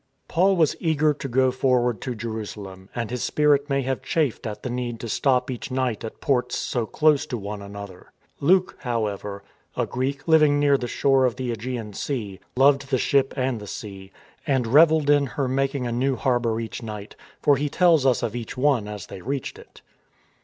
Paul was eager to go forward to Jerusalem, and his spirit may have chafed at the need to stop each night at ports so close to one another. Luke, how ever, a Greek living near the shore of the ^gean Sea, loved the ship and the sea, and revelled in her making a new harbour each night, for he tells us of each one as they reached it.